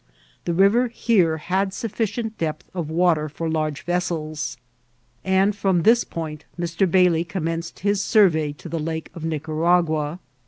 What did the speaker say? The river here had suffi* cient depth of water for large vessels, and from this point Mr. Bailey commenced his survey to the Lake of Nicaragua.